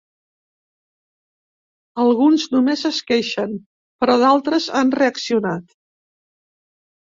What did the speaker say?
Alguns només es queixen, però d'altres han reaccionat.